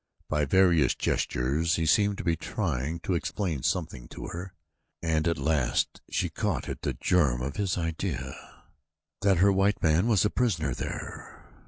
By various gestures he seemed to be trying to explain something to her and at last she caught at the germ of his idea that her white man was a prisoner there.